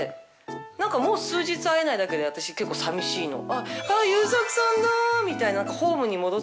何かもう数日会えないだけで私結構寂しいの。みたいな。